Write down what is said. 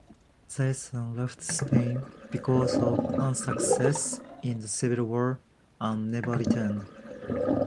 They soon left Spain because of unsuccess in the civil war, and never returned.